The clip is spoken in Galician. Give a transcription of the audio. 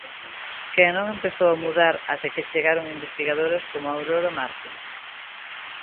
Que non empezou a mudar até que chegaron investigadoras coma Aurora Marco.